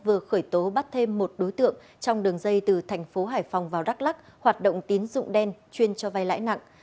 vừa khởi tố bắt thêm một đối tượng trong đường dây từ thành phố hải phòng vào đắk lắc hoạt động tín dụng đen chuyên cho vay lãi nặng